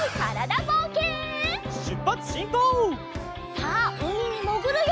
さあうみにもぐるよ！